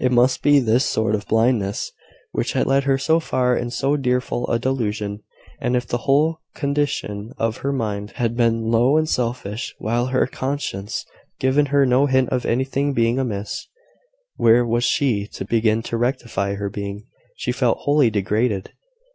It must be this sort of blindness which had led her so far in so fearful a delusion. And if the whole condition of her mind had been low and selfish, while her conscience had given her no hint of anything being amiss, where was she to begin to rectify her being? She felt wholly degraded.